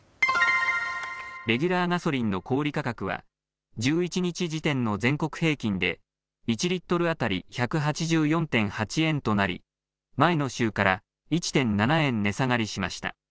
レギュラーガソリンの小売り価格は、１１日時点の全国平均で、１リットル当たり１８４．８円となり、前の週から１．７円値下がりしました。